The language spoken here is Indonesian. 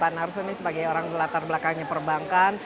pak narso ini sebagai orang latar belakangnya perbankan